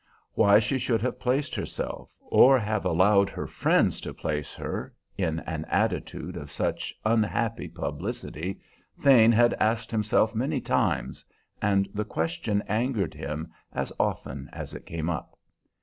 Why she should have placed herself, or have allowed her friends to place her, in an attitude of such unhappy publicity Thane had asked himself many times, and the question angered him as often as it came up.